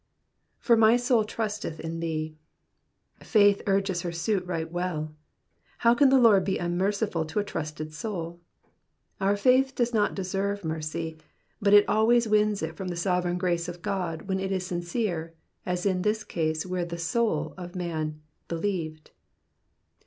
'^For my soul trusteth in thee.'''' Faith ui^es her suit right welL Uow can the Lord be unmerciful to a trustful soul ? Our faith does not Digitized by VjOOQIC PSALM THE FIFTT 8BVBNTH. 49 deserve mercy, but it always wins it from the sovereign grace of God when it is sincere, as in this case where the ioiU of the man believed.